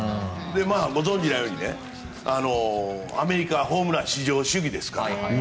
ご存じのようにアメリカはホームラン至上主義ですから。